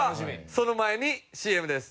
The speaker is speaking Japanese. その前にＣＭです。